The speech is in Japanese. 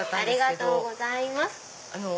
ありがとうございます。